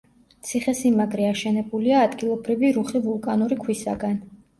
ციხესიმაგრე აშენებულია ადგილობრივი რუხი ვულკანური ქვისაგან.